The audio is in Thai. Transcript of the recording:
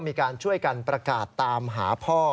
มีการช่วยกันประกาศตามหาพ่อ